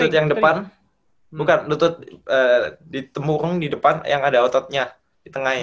lutut yang depan bukan lutut di temurung di depan yang ada ototnya di tengahnya